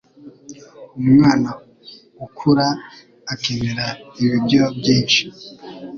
Umwana ukura akenera ibiryo byinshi.